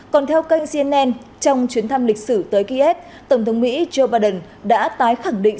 còn theo kênh cnn trong chuyến thăm lịch sử tới kiev tổng thống mỹ joe biden đã tái khẳng định